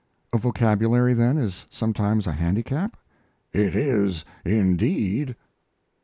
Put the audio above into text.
"A vocabulary, then, is sometimes a handicap?" "It is indeed."